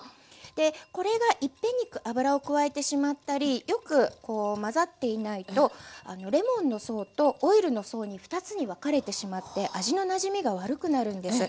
でこれが一遍に油を加えてしまったりよく混ざっていないとレモンの層とオイルの層に２つに分かれてしまって味のなじみが悪くなるんです。